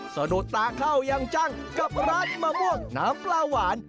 สะดุดตาเข้ายังจังกับร้านมะม่วงน้ำปลาหวาน